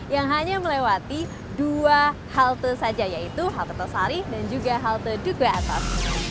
yang hanya melewati dua halte saja yaitu halte tosari dan juga halte duku atas